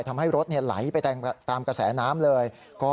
ทำให้รถไหลไปตามกระแสน้ำเลย